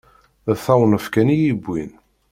D tewnef kan i y-iwwin.